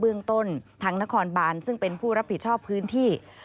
เรื่องต้นทางนครบานซึ่งเป็นผู้รับผิดชอบพื้นที่